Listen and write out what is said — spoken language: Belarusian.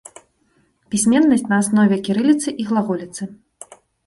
Пісьменнасць на аснове кірыліцы і глаголіцы.